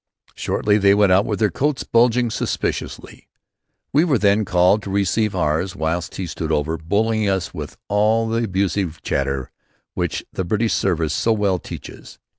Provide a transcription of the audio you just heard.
Shortly they went out with their coats bulging suspiciously. We were then called to receive ours whilst he stood over, bullying us with all the abusive "chatter" which the British service so well teaches.